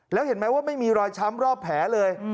แล้วเห็นไหมว่าไม่มีรอยช้ำรอบแผลเลย